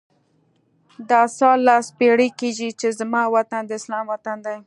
دا څوارلس پیړۍ کېږي چې زما وطن د اسلام وطن دی.